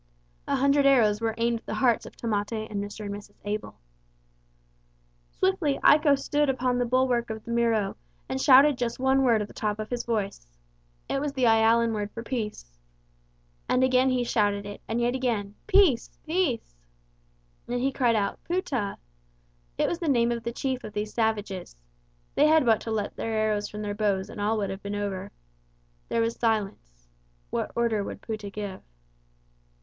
A hundred arrows were aimed at the hearts of Tamate and Mr. and Mrs. Abel. Swiftly Iko stood upon the bulwark of the Miro, and shouted just one word at the top of his voice. It was the Ialan word for "Peace." And again he shouted it, and yet again "Peace, Peace!" Then he cried out "Pouta!" It was the name of the chief of these savages. They had but to let the arrows from their bows and all would have been over. There was silence. What order would Pouta give?